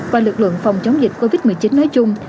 và lực lượng phòng chống dịch covid một mươi chín nói chung